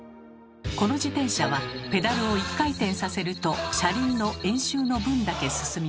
この自転車はペダルを１回転させると車輪の円周の分だけ進みます。